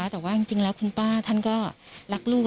แต่ว่าจริงแล้วคุณป้าท่านก็รักลูก